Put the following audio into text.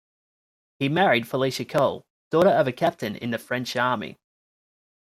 He married Felicia Colle, daughter of a captain in the French Army.